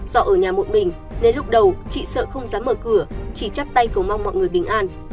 do ở nhà một mình nên lúc đầu chị sợ không dám mở cửa chỉ chắp tay cầu mong mọi người bình an